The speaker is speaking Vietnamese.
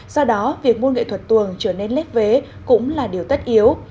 do đó việc môn nghệ thuật tuồng trở nên lép vế cũng là điều tất yếu